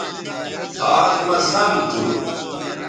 آز مہ سم تھو